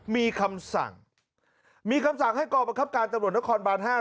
มีคำสั่งมีคำสั่งให้กรประคับการตำรวจนครบานห้า